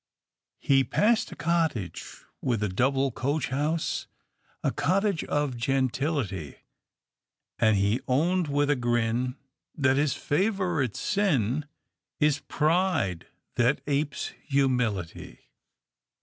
"He passed a cottage with a double coach house, A cottage of gentility, And he owned with a grin, That his favourite sin Is pride that apes humility."